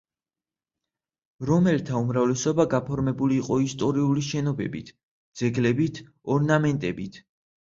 რომელთა უმრავლესობა გაფორმებული იყო ისტორიული, შენობებით, ძეგლებით, ორნამენტებით.